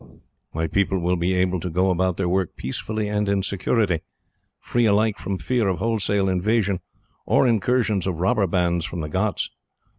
My people will be able to go about their work peacefully and in security, free alike from fear of wholesale invasion, or incursions of robber bands from the ghauts.